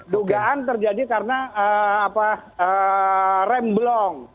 dugaan terjadi karena rem blong